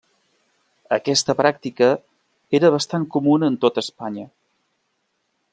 Aquesta pràctica era bastant comuna en tota Espanya.